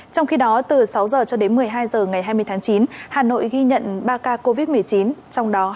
trong khi đó từ sáu h cho đến một mươi hai h ngày hai mươi tháng chín hà nội ghi nhận ba ca covid một mươi chín trong đó